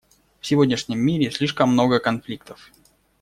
В сегодняшнем мире слишком много конфликтов.